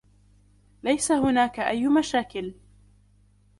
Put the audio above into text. ليس هناك أي مشاكل.